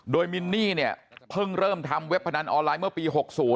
โดยมินนี่เนี่ยเพิ่งเริ่มทำเว็บพนันออนไลน์เมื่อปี๖๐